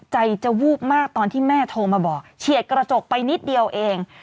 ใจจะวูบมากตอนที่แม่โทรมาบอกเฉียดกระจกไปนิดเดียวเอง